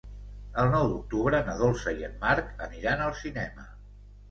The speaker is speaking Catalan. El nou d'octubre na Dolça i en Marc aniran al cinema.